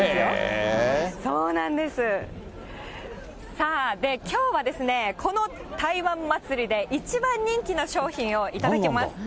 さあ、きょうはですね、この台湾祭で一番人気の商品を頂きます。